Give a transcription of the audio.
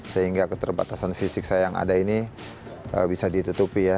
sehingga keterbatasan fisik saya yang ada ini bisa ditutupi ya